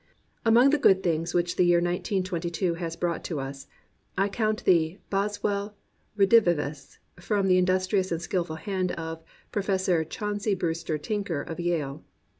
Among the good things which the year 1922 has brought to us I count the Boswell redivivus from the industrious and skilful hand of Professor Chaun cey Brewster Tinker of Yale.